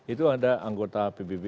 itu ada anggota pbb